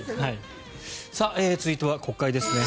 続いては国会ですね。